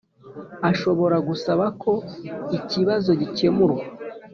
ashobora gusaba ko ikibazo gikemurwa